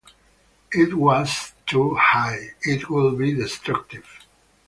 If it was too high, it would be destructive.